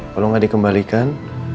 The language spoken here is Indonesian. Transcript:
kalau gak dikembalikan